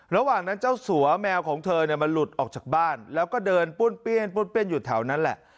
ระหว่างนั้นเจ้าสัวแมวของเธอมาหลุดออกจากบ้านแล้วก็เดินปุ้นเปรี้ยนอยู่แถวนั้นแหละ